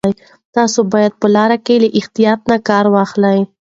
تاسو باید په لاره کې له احتیاط نه کار واخلئ.